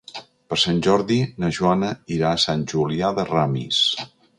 Per Sant Jordi na Joana irà a Sant Julià de Ramis.